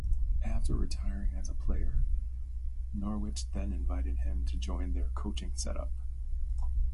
After retiring as a player, Norwich then invited him to join their coaching set-up.